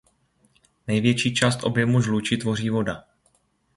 Největší část objemu žluči tvoří voda.